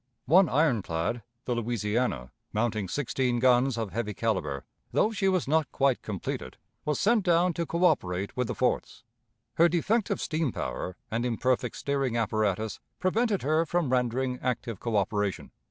One ironclad, the Louisiana, mounting sixteen guns of heavy caliber, though she was not quite completed, was sent down to coöperate with the forts. Her defective steam power and imperfect steering apparatus prevented her from rendering active coöperation.